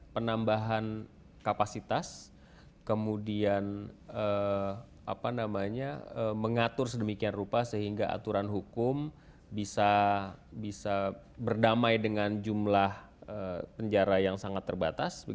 penambahan kapasitas kemudian mengatur sedemikian rupa sehingga aturan hukum bisa berdamai dengan jumlah penjara yang sangat terbatas